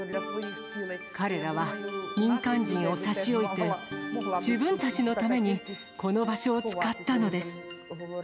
彼らは民間人を差し置いて、自分たちのためにこの場所を使ったのです。